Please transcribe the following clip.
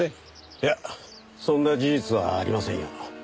いやそんな事実はありませんよ。